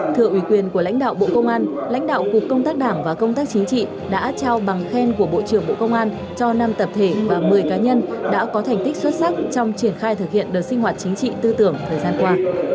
thưa ủy quyền của lãnh đạo bộ công an lãnh đạo cục công tác đảng và công tác chính trị đã trao bằng khen của bộ trưởng bộ công an cho năm tập thể và một mươi cá nhân đã có thành tích xuất sắc trong triển khai thực hiện đợt sinh hoạt chính trị tư tưởng thời gian qua